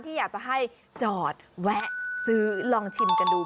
อยากจะให้จอดแวะซื้อลองชิมกันดู